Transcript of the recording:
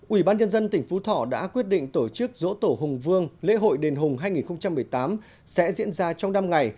ủy ban nhân dân tỉnh phú thọ đã quyết định tổ chức dỗ tổ hùng vương lễ hội đền hùng hai nghìn một mươi tám sẽ diễn ra trong năm ngày